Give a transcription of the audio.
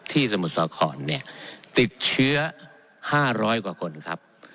สมุทรสาครเนี่ยติดเชื้อ๕๐๐กว่าคนครับ